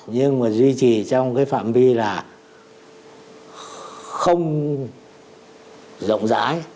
nhưng mà duy trì trong cái phạm vi là không rộng rãi